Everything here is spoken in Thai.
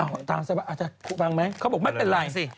อ้าวตามซักวันคุณฟังไหมเขาบอกไม่เป็นไร